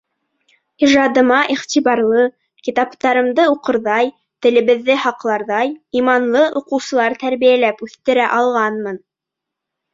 Ижадыма иғтибарлы, китаптарымды уҡырҙай, телебеҙҙе һаҡларҙай, иманлы уҡыусылар тәрбиәләп үҫтерә алғанмын.